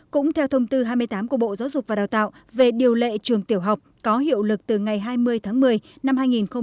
cũng theo thông tư hai mươi tám của bộ giáo dục và đào tạo về điều lệ trường tiểu học có hiệu lực từ ngày hai mươi tháng một mươi năm hai nghìn một mươi chín